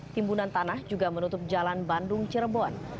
timbunan tanah juga menutup jalan bandung cirebon